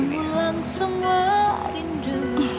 mengulang semua rindu